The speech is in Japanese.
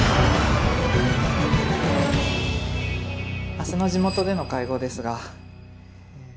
明日の地元での会合ですがえぇ。